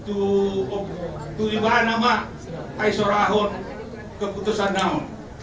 untuk menerima keputusan ini